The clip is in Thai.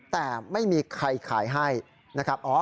แต่ไม่มีใครขายให้นะครับ